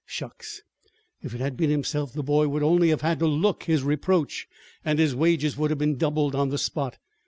Shucks! If it had been himself, the boy would only have had to look his reproach and his wages would have been doubled on the spot!